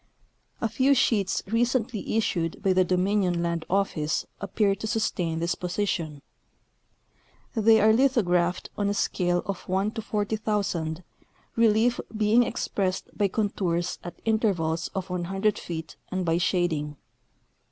A few sheets recently issued by the Dominion land office ap pear to sustain this position. They are lithographed on a scale of 1 : 40,000, relief being expressed by contours at intervals of 100 feet and by shading.